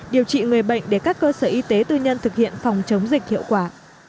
điều trị người bệnh để các cơ sở y tế tư nhân thực hiện phòng chống dịch hiệu quả